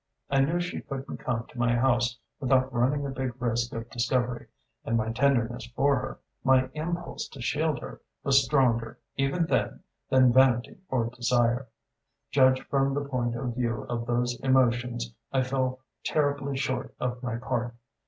I knew she couldn't come to my house without running a big risk of discovery, and my tenderness for her, my impulse to shield her, was stronger, even then, than vanity or desire. Judged from the point of view of those emotions I fell terribly short of my part.